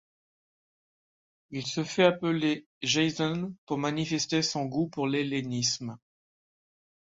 Il se fait appeler Jason pour manifester son goût pour l'hellénisme.